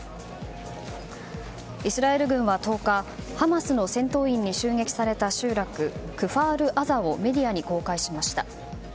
イスラエル軍は１０日ハマスの戦闘員に襲撃された集落クファールアザをメディアに公開しました。